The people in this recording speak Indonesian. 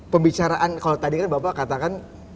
pembicaraan kalau tadi kan bapak katakan